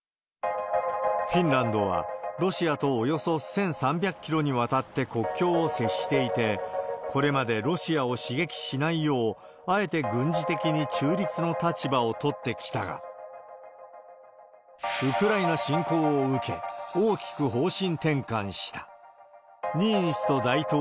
フィンランドは、ロシアとおよそ１３００キロにわたって国境を接していて、これまでロシアを刺激しないよう、あえて軍事的に中立の立場を取ってきたが、ウクライナ侵攻を受け、大きく方針転換した。